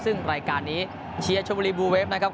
ซึ่งรายการนี้เชียร์ชมบุรีบูเวฟนะครับ